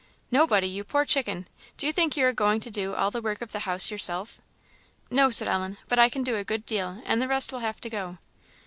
"Nobody! you poor chicken; do you think you're a going to do all the work of the house yourself?" "No," said Ellen, "but I can do a good deal, and the rest will have to go."